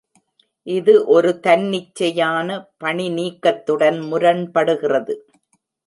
இது ஒரு தன்னிச்சையான பணிநீக்கத்துடன் முரண்படுகிறது.